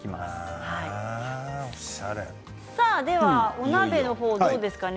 お鍋の方どうですかね